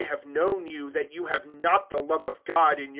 (42)But I know you, that ye have not the love of God in you.